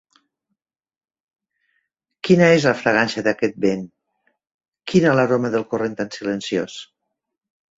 Quina és la fragància d'aquest vent? Quina l'aroma del corrent tan silenciós?